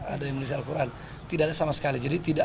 ada yang menulis al quran tidak ada sama sekali jadi tidak